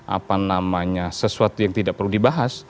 apa namanya sesuatu yang tidak perlu dibahas